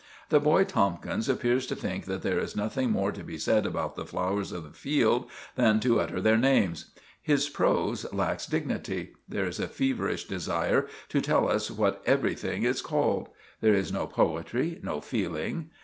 The boy Tomkins appears to think that there is nothing more to be said about the flowers of the field than to utter their names. His prose lacks dignity; there is a feverish desire to tell us what everything is called. There is no poetry, no feeling.